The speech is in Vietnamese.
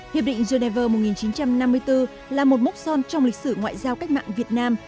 hiệp định geneva một nghìn chín trăm năm mươi bốn là một mốc son trong lịch sử ngoại giao cách mạng việt nam